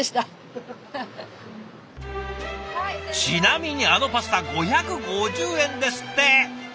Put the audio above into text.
ちなみにあのパスタ５５０円ですって！